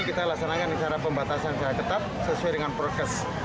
kita laksanakan secara pembatasan secara ketat sesuai dengan prokes